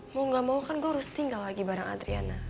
mau gak mau kan gue harus tinggal lagi bareng adriana